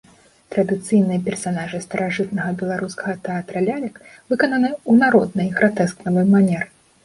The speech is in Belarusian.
Традыцыйныя персанажы старажытнага беларускага тэатра лялек выкананы ў народнай, гратэскавай манеры.